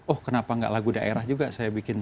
oh kenapa gak lagu daerah juga saya bikin